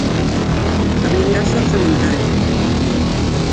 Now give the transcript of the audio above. A blindaxe orzamentaria.